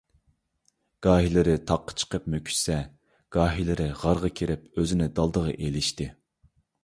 گاھىلىرى تاغقا چىقىپ مۆكۈشسە، گاھىلىرى غارغا كىرىپ ئۆزىنى دالدىغا ئېلىشتى.